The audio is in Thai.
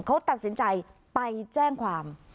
เขาตัดสินใจไปแจ้งความ